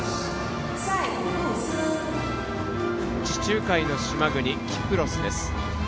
地中海の島国、キプロス。